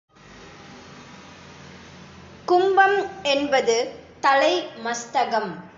கும்பம் என்பது தலை மஸ்தகம்.